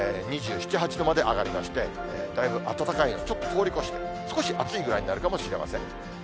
２７、８度まで上がりまして、だいぶ暖かい、をちょっと通り越して、少し暑いぐらいになるかもしれません。